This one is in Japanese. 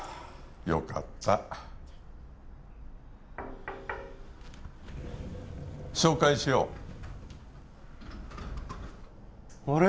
よかった紹介しようあれ？